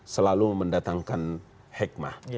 selalu mendatangkan hikmah